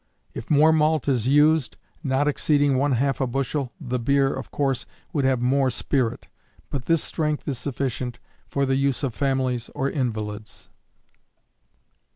If more malt is used, not exceeding ½ a bushel, the beer, of course, would have more spirit, but this strength is sufficient for the use of families or invalids.